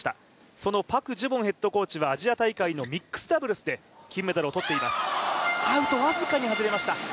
そのパク・ジュボンヘッドコーチはアジア大会のミックスダブルスで金メダルを取っています。